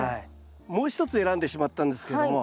もう一つ選んでしまったんですけども。